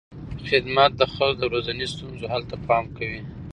خدمت د خلکو د ورځنیو ستونزو حل ته پام کوي.